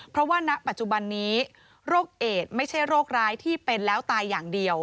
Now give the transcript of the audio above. เพราะว่าณปัจจุบันนี้โรคเอดไม่ใช่โรคร้ายที่เป็นแล้วตายอย่างเดียว